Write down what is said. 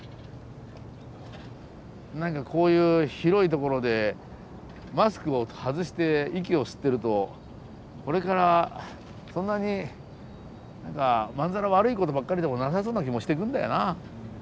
何かこういう広い所でマスクを外して息を吸ってるとこれからそんなにまんざら悪いことばっかりでもなさそうな気もしてくるんだよな。